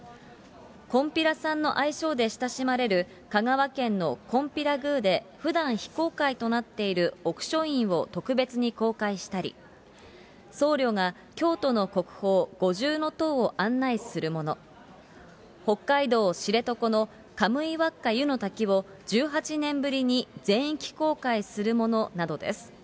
こんぴらさんの愛称で親しまれる、香川県のこんぴら宮で、ふだん非公開となっている奥書院を特別に公開したり、僧侶が京都の国宝、五重塔を案内するもの、北海道知床のカムイワッカ湯の滝を１８年ぶりに全域公開するものなどです。